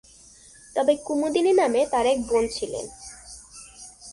তবে কুমুদিনী নামে তার এক বোন ছিলেন।